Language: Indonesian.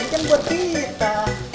ini kan buat kita